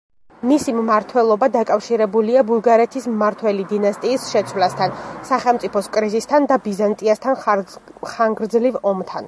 მისი მმართველობა დაკავშირებულია ბულგარეთის მმართველი დინასტიის შეცვლასთან, სახელმწიფოს კრიზისთან და ბიზანტიასთან ხანგრძლივ ომთან.